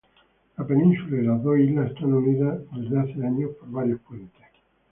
La península y las dos islas están unidas desde hace años por varios puentes.